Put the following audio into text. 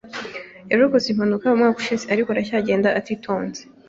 Yarokotse impanuka umwaka ushize, ariko aracyagenda atitonze.